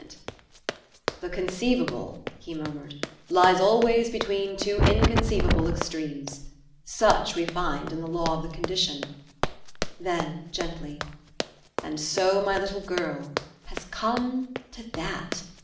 210 THE STORY OF AVIS. "The conceivable," he murmured, "lies always between two inconceivable extremes. Such we find in the law of the conditioned." Then gently, " And so my little girl has come to that!